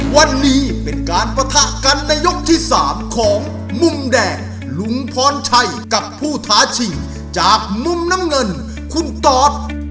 วันนี้เป็นการปะทะกันในยกที่๓ของมุมแดงลุงพรชัยกับผู้ท้าชิงจากมุมน้ำเงินคุณตอด